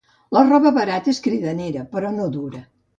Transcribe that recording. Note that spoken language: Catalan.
La roba barata és cridanera però no dura.